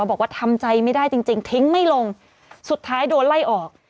บอกว่าทำใจไม่ได้จริงจริงทิ้งไม่ลงสุดท้ายโดนไล่ออก